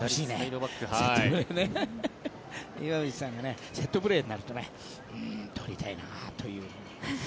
岩渕さんがセットプレーになると取りたいなという。